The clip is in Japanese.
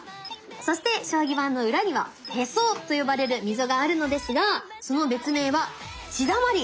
そして将棋盤の裏には「へそ」と呼ばれる溝があるのですがその別名は「血だまり」！